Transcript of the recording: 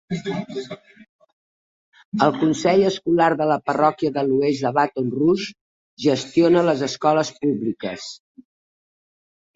El consell escolar de la parròquia de l'oest de Baton Rouge gestiona les escoles públiques.